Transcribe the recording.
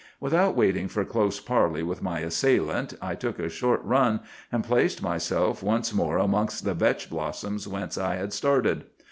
"Without waiting for close parley with my assailant, I took a short run, and placed myself once more amongst the vetch blossoms whence I had started.